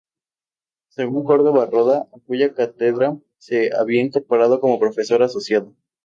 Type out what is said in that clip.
Juan Córdoba Roda, a cuya cátedra se había incorporado como profesor asociado.